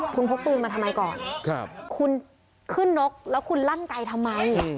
คุณพกปืนมาทำไมก่อนคุณขึ้นนกแล้วคุณลั่นไกลทำไม